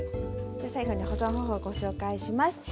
では最後に保存方法をご紹介します。